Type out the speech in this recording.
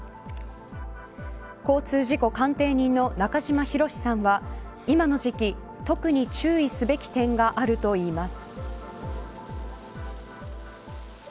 交通事故鑑定人の中島博史さんは今の時期、特に注意すべき点があるといいます。